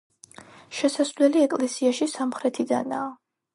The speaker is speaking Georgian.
შესასვლელი ეკლესიაში სამხრეთიდანაა.